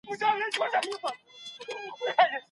د قران لارښوونې تعقیب کړئ.